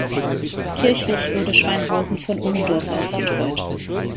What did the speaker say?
Kirchlich wurde Schweinhausen von Ummendorf aus betreut.